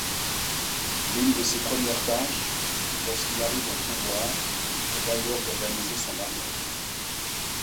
Une de ses premières tâches, lorsqu'il arrive au pouvoir, est d'ailleurs d'organiser son armée.